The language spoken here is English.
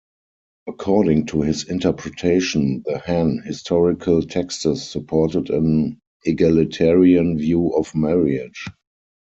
According to his interpretation, the Han historical texts supported an egalitarian view of marriage.